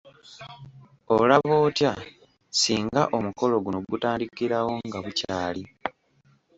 Olaba otya singa omukolo guno gutandikirawo nga bukyali?